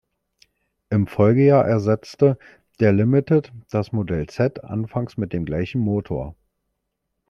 Im Folgejahr ersetzte der Limited das Modell Z, anfangs mit dem gleichen Motor.